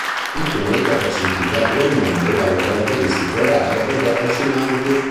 Il pianeta Pacifica è un mondo dalle caratteristiche rare ed affascinanti.